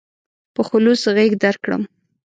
په خلوص غېږ درکړم.